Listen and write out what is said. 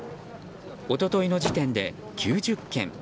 一昨日の時点で９０件。